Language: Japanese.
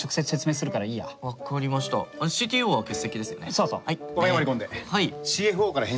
そうそう。